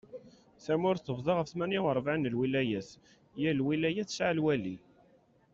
Tamurt tebḍa ɣef tmanya urebɛin n lwilayat, yal lwilaya tesɛa lwali.